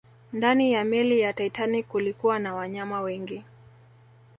Ndani ya meli ya Titanic kulikuwa na wanyama wengi